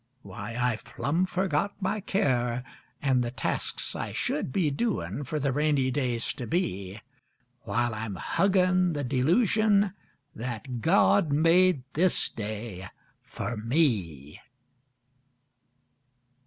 Why, I've plumb fergot my care An' the tasks I should be doin' fer the rainy days to be, While I'm huggin' the delusion that God made this day fer me.